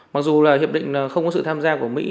mặc dù là hiệp định không có sự tham gia của mỹ